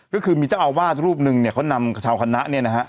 ก็คือมีเจ้าอาวาสรูปนึงเนี่ยเขานำชาวคณะเนี่ยนะฮะ